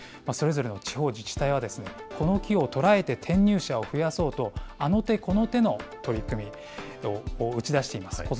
それぞれの地方自治体は、この機を捉えて転入者を増やそうと、あの手この手の取り組みを打ち出しています。